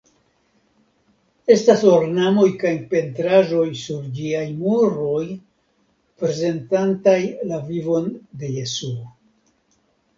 Estas ornamoj kaj pentraĵoj sur ĝiaj muroj prezentantaj la vivon de Jesuo.